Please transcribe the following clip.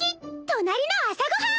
隣の朝ご飯！